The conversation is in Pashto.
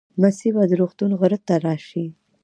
مسیح به د زیتون غره ته راشي.